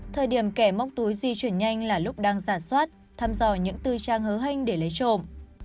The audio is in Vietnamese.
thời điểm kẻ móc túi di chuyển nhanh là lúc đang giả soát thăm dò những tư trang hứ hênh để lấy trộm